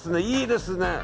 いいですね。